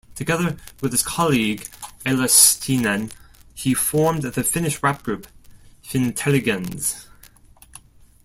Together with his colleague Elastinen, he formed the Finnish rap band Fintelligens.